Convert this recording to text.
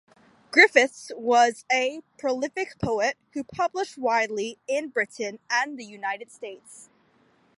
Griffiths was a prolific poet who published widely in Britain and the United States.